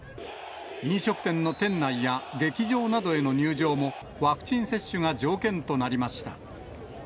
飲食店の店内や劇場などへの入場もワクチン接種が条件となりました。